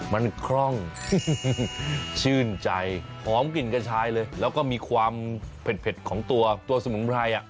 มันคล่องชื่นใจหอมกลิ่นกระชายเลยแล้วก็มีความเผ็ดของตัวสมุนไพร